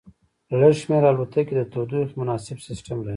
لږ شمیر الوتکې د تودوخې مناسب سیستم لري